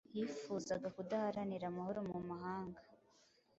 Yifuzaga kudaharanira amahoro mu mahanga